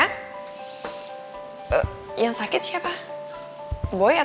duh kok gue malah jadi mikir macem macem gini ya